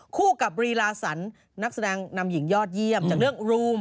คู่กับรีลาสันนักแสดงนำหญิงยอดเยี่ยมจากเรื่องรูม